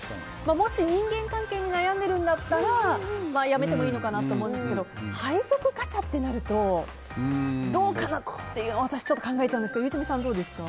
もし人間関係に悩んでいるんだったら辞めてもいいのかなと思うんですけど配属ガチャとなるとどうかなと私はちょっと考えちゃうんですけどゆうちゃみさんはどうですか。